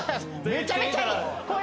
めちゃめちゃいい！